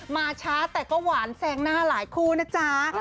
มาช้าแต่ก็หวานแซงหน้าหลายคู่นะจ๊ะ